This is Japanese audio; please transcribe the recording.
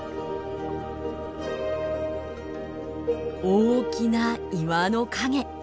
大きな岩の陰。